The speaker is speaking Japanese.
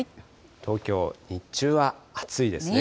東京、日中は暑いですね。